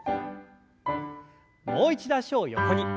もう一度脚を横に。